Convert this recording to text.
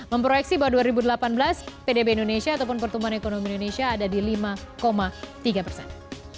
memproyeksi bahwa dua ribu delapan belas pdb indonesia ataupun pertumbuhan ekonomi indonesia ada di lima tiga persen